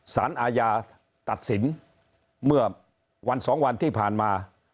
สารอาญาตัดสินเมื่อวันสองวันที่ผ่านมา